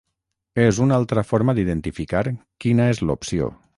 és una altra forma d'identificar quina és l'opció